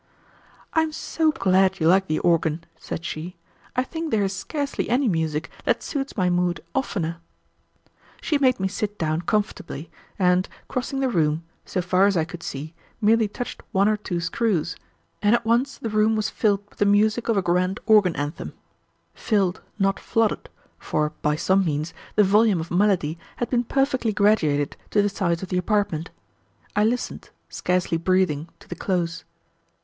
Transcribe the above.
"I am so glad you like the organ," said she. "I think there is scarcely any music that suits my mood oftener." She made me sit down comfortably, and, crossing the room, so far as I could see, merely touched one or two screws, and at once the room was filled with the music of a grand organ anthem; filled, not flooded, for, by some means, the volume of melody had been perfectly graduated to the size of the apartment. I listened, scarcely breathing, to the close.